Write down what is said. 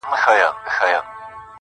شپه په ورو ورو پخېدلای.